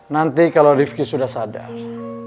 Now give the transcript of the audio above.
nanti kalau rifki sudah sadar